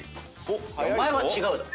お前は違うだろ。